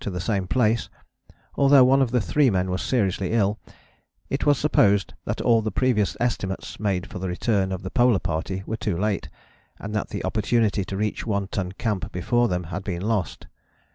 to the same place, although one of the three men was seriously ill; it was supposed that all the previous estimates made for the return of the Polar Party were too late, and that the opportunity to reach One Ton Camp before them had been lost.